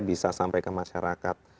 bisa sampai ke masyarakat